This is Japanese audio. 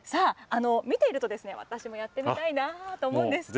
見ていると、私もやってみたいなと思うんですが。